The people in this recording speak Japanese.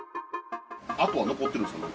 跡は残ってるんですか？